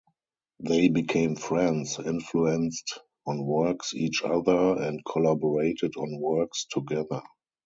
They became friends, influenced on works each other, and collaborated on works together.